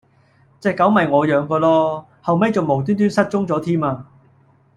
隻狗咪我養嗰囉，後尾重無端端失咗蹤添啊